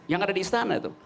yang ada di istana itu